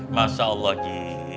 masya allah ji